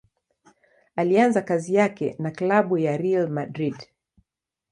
Alianza kazi yake na klabu ya Real Madrid.